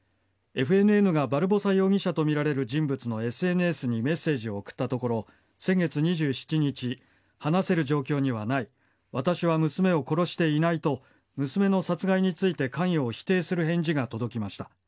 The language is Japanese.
ＦＮＮがバルボサ容疑者とみられる人物のＳＮＳにメッセージを送ったところ先月２７日、話せる状況にはない私は娘を殺していないと娘の殺害について関与を否定する返事が届きました。